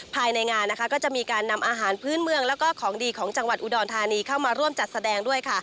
ภายในงานนะคะก็จะมีการนำอาหารพื้นเมืองแล้วก็ของดีของจังหวัดอุดรธานีเข้ามาร่วมจัดแสดงด้วยค่ะ